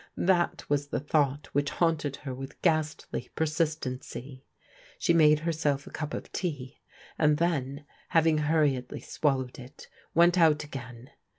That was the thought which hatmted her with ghastly persistency. She made herself a cup of tea, and then, having hur riedly swallowed it, went out again.